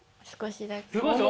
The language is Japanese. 少しだけ。